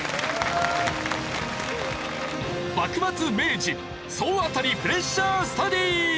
幕末・明治総当たりプレッシャースタディ！